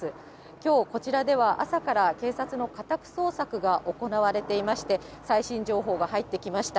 きょうこちらでは、朝から警察の家宅捜索が行われていまして、最新情報が入ってきました。